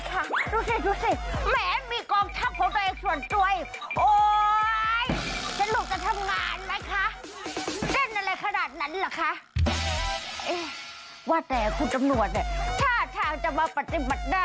แค่หน่อยทุกคนก็เต้นได้หมดเลยค่ะคุณตำหนวดค่ะ